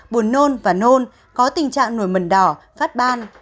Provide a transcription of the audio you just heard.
buồn nôn và nôn có tình trạng nổi mẩn đỏ phát ban